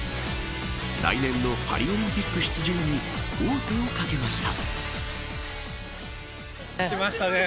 来年のパリオリンピック出場に王手をかけました。